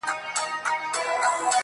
د سترگو توري په کي به دي ياده لرم